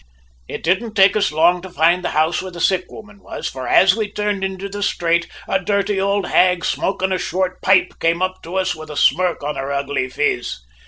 "It didn't take us long to find the house where the sick woman was, for as we turned into the strate, a dirty ould hag, smoking a short pipe, came up to us with a smirk on her ugly phiz.